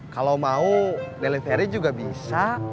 kalau mau delivery juga bisa